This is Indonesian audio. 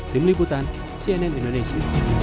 tim liputan cnn indonesia